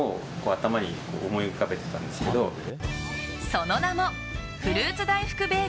その名もフルーツ大福べー